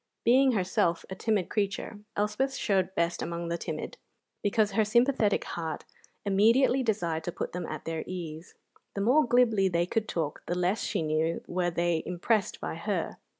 Being herself a timid creature, Elspeth showed best among the timid, because her sympathetic heart immediately desired to put them at their ease. The more glibly they could talk, the less, she knew, were they impressed by her.